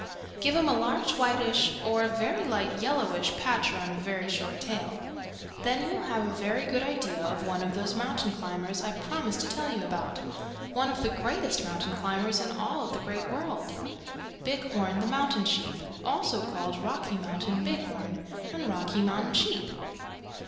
Give him a large whitish or very light yellowish patch around a very short tail. Then you will have a very good idea of one of those mountain climbers I promised to tell you about, one of the greatest mountain climbers in all the Great World Bighorn the Mountain Sheep, also called Rocky Mountain Bighorn and Rocky Mountain Sheep.